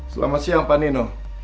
selamat siang pak nino